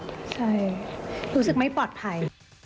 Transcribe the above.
ใช่รู้สึกไม่ปลอดภัย